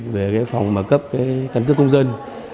về phòng cấp căn cước công dân